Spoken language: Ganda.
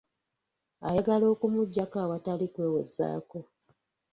Ayagala okumugyako awatali kwewozaako.